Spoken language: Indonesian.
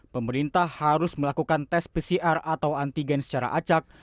pemerintah harus melakukan tes pcr atau antigen secara acak